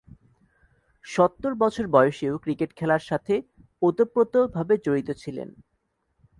সত্তর বছর বয়সেও ক্রিকেট খেলা সাথে ওতপ্রোতভাবে জড়িত ছিলেন।